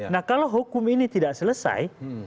nah kalau hukum ini tidak selesai